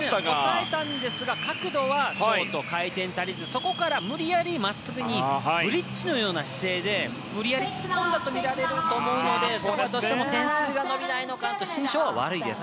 抑えたんですが角度はショート、回転足りずそこから無理やり、真っすぐにブリッジのような姿勢で無理やり突っ込んだとみられると思うのでしかも点数が伸びないのかと心象は悪いです。